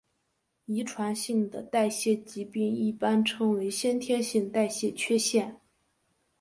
遗传性的代谢疾病一般称为先天性代谢缺陷。